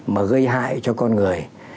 mà gây hại cho con người